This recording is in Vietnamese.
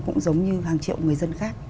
cũng giống như hàng triệu người dân khác